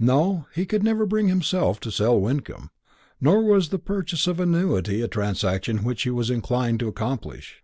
No, he could never bring himself to sell Wyncomb. Nor was the purchase of an annuity a transaction which he was inclined to accomplish.